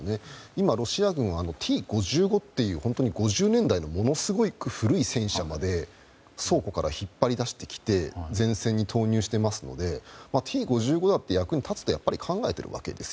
今、ロシア軍はＴ５５という本当に５０年代のものすごい古い戦車まで倉庫から引っ張り出してきて前線に投入していますのでＴ５５だって役に立つと考えているわけです。